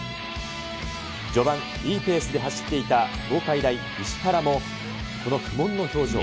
序盤、いいペースで走っていた東海大、石原も、この苦悶の表情。